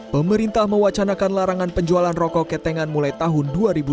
pemerintah mewacanakan larangan penjualan rokok ketengan mulai tahun dua ribu dua puluh